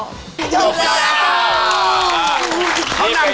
จบแล้ว